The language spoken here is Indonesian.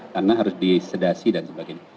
karena harus disedasi dan sebagainya